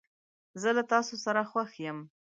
زه له تاسو سره خوښ یم.